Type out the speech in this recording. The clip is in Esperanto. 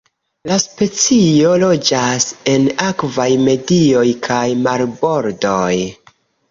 La specio loĝas en akvaj medioj kaj marbordoj.